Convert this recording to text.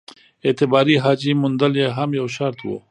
اعتباري حاجي موندل یې هم یو شرط وو.